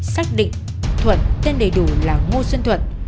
xác định thuận tên đầy đủ là ngô xuân thuận